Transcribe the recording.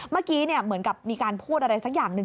เมื่อกี้เหมือนกับมีการพูดอะไรสักอย่างหนึ่ง